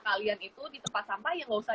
kalian itu di tempat sampah ya nggak usah